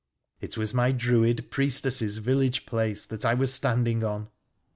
It was my Druid priestess's village place that I was standing on